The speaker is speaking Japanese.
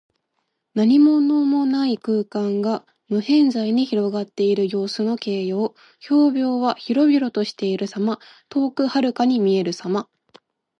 何物もない空間が、無辺際に広がっている様子の形容。「縹渺」は広々としている様。遠くはるかに見えるさま。